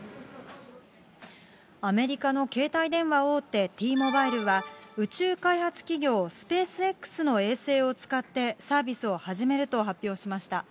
アメリカの携帯電話大手、Ｔモバイルは、宇宙開発企業、スペースＸの衛星を使ってサービスを始めると発表しました。